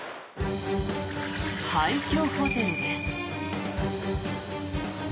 廃虚ホテルです。